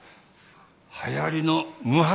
はやりの無髪